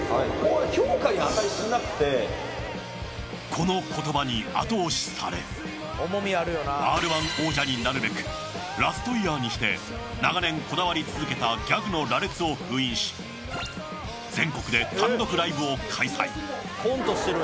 この言葉に後押しされＲ−１王者になるべくラストイヤーにして長年こだわり続けたギャグの羅列を封印し全国で単独ライブを開催。